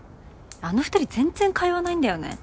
あの２人全然会話ないんだよね。